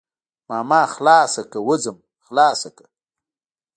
ماما خلاصه که وځم خلاصه که.